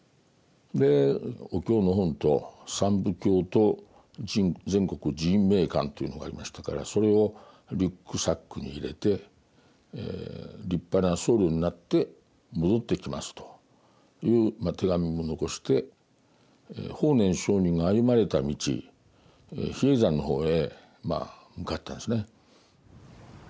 お経の本と三部経と全国寺院名鑑というのがありましたからそれをリュックサックに入れて「立派な僧侶になって戻ってきます」という手紙も残して法然上人が歩まれた道比叡山の方へ向かったんですね。